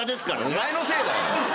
お前のせいだよ。